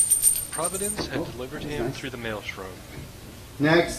Providence had delivered him through the maelstrom.